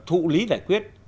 thụ lý giải quyết